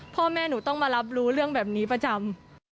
พ่อแม่หนูต้องมารับรู้เรื่องแบบนี้ประจำ